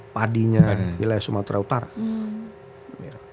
padinya wilayah sumatera utara